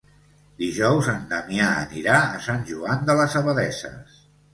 Dijous en Damià anirà a Sant Joan de les Abadesses.